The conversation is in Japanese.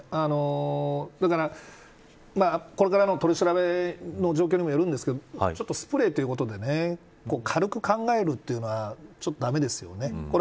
だから、これからの取り調べの状況にもよるんですけどちょっとスプレーということで軽く考えるというのは駄目ですよね。